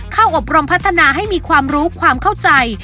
อบรมพัฒนาให้มีความรู้ความเข้าใจ